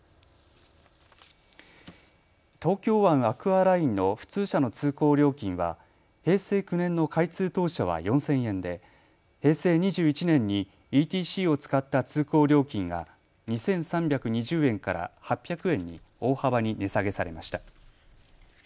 アクアラインの普通車の通行料金は平成９年の開通当初は４０００円で平成２１年にＥＴＣを使った通行料金が２３２０円から８００円に大幅に値下げされました。